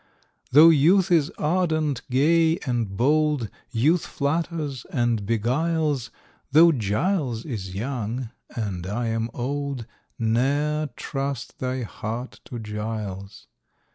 Though youth is ardent, gay, and bold, Youth flatters and beguiles, Though Giles is young,—and I am old,— Ne'er trust thy heart to Giles.